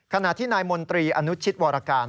ขณะที่นายมนตรีอนุชิตวรการ